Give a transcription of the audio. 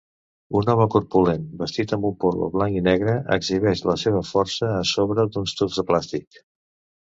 Un home corpulent vestit amb un polo blanc i negre exhibeix la seva força a sobre d'uns tubs de plàstic.